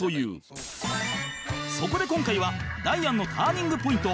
そこで今回はダイアンのターニングポイント